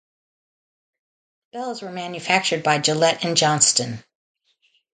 The bells were manufactured by Gillett and Johnston.